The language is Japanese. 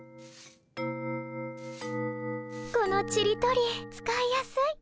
このちり取り使いやすい。